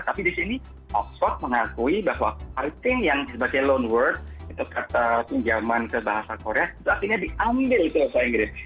tapi di sini oxford mengakui bahwa fighting yang sebagai loan word kata pinjaman ke bahasa korea itu artinya diambil kata bahasa inggris